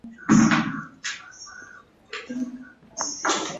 Mazima Cissy eyali aseka ng'olwo tezikyajja wazira okumala gasinika.